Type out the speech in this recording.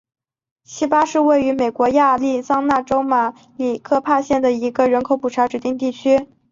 锡巴是位于美国亚利桑那州马里科帕县的一个人口普查指定地区。